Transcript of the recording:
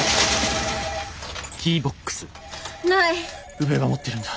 宇部が持ってるんだ。